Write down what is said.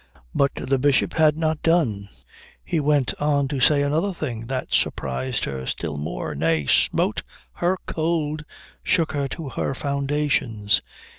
But the Bishop had not done. He went on to say another thing that surprised her still more; nay, smote her cold, shook her to her foundations.